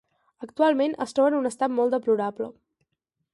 Actualment es troba en un estat molt deplorable.